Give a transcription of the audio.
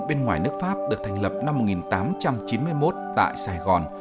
bên ngoài nước pháp được thành lập năm một nghìn tám trăm chín mươi một tại sài gòn